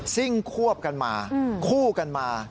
ซิ่งควบกันมาคู่กันมา